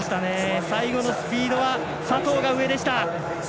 最後のスピードは佐藤が上でした。